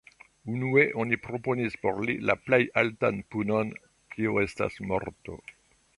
Unue oni proponis por li la plej altan punon, tio estas morto.